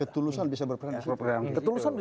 ketulusan bisa berperan di program ini